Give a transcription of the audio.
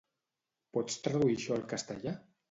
Pots traduir això al castellà?